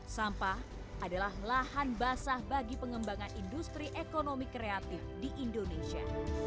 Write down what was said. sampah adalah lahan basah bagi pengembangan industri ekonomi kreatif di indonesia